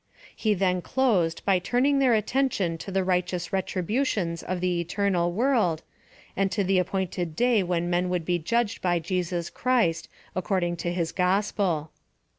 He then closed by turning their attention to the right eous retributions of the eternal world, and to the appointed day when men would be judged by Jesus Christ, according to his gospel.